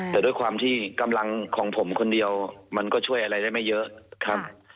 แต่ด้วยความที่กำลังของผมคนเดียวมันก็ช่วยอะไรได้ไม่เยอะครับ